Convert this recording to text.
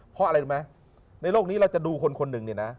เพราะอะไรรู้ไหมในโลกนี้เราจะดูคนคนหนึ่งเนี่ยนะ